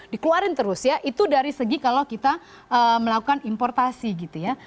dikeluarin terus ya itu dari segi kalau kita melakukan importasi gitu ya